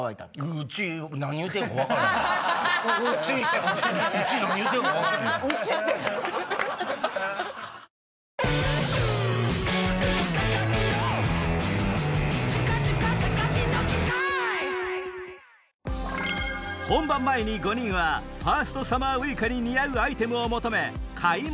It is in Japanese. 「ウチ」って⁉ファーストサマーウイカに似合うアイテムを求め